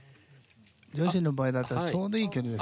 女子の場合だったらちょうどいい距離ですね。